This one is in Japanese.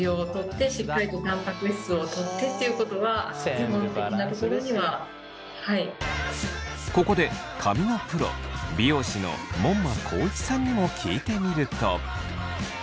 基本的にはやはりここで髪のプロ美容師の門馬宏一さんにも聞いてみると。